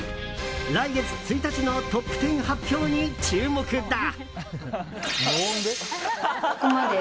来月１日のトップ１０発表に注目だ。